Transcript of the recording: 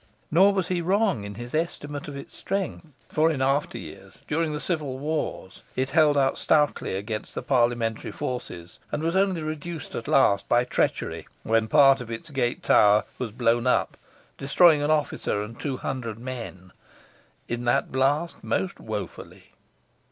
Nor was he wrong in his estimate of its strength, for in after years, during the civil wars, it held out stoutly against the parliamentary forces, and was only reduced at last by treachery, when part of its gate tower was blown up, destroying an officer and two hundred men, "in that blast most wofully."